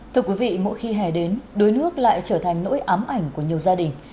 thưa quý vị mỗi khi hè đến đuối nước lại trở thành nỗi ám ảnh của nhiều gia đình